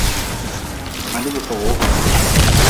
Madi bi fog-wu hKHm.